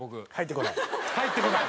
入ってこない？